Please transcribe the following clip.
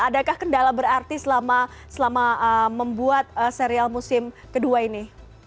adakah kendala berarti selama membuat serial musim kedua ini